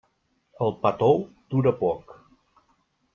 El pa tou dura poc.